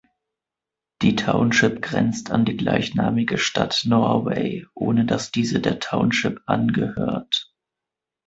Die Township grenzt an die gleichnamige Stadt Norway, ohne dass diese der Township angehört.